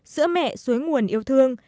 sữa mẹ xuối nguồn yêu thương